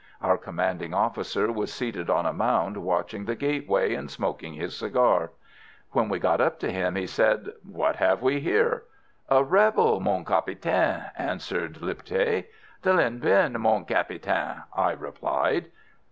Our commanding officer was seated on a mound watching the gateway, and smoking his cigar. When we got up to him, he said: "What have we here?" "A rebel, mon capitaine," answered Lipthay. "The linh binh, mon capitaine," I replied.